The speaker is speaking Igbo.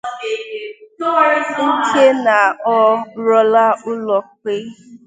nke na o ruola ụlọikpe